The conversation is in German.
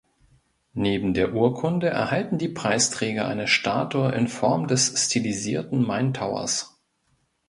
Neben der Urkunde erhalten die Preisträger eine Statue in Form des stilisierten Main Towers.